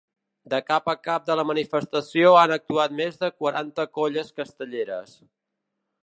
De cap a cap de la manifestació han actuat més de quaranta colles castelleres.